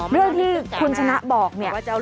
เรื่องที่คุณชนะบอกเนี่ย